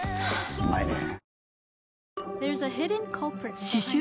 うまいねぇ。